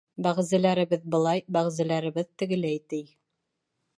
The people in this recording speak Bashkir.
Бәғзеләребеҙ былай, бәғзеләребеҙ тегеләй ти.